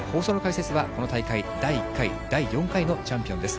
放送の解説は、この大会、第１回、第４回のチャンピオンです。